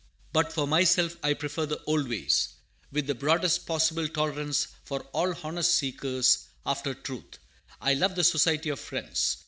But for myself I prefer the old ways. With the broadest possible tolerance for all honest seekers after truth! I love the Society of Friends.